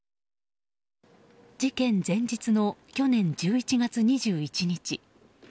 事件前日の去年１１月２１日。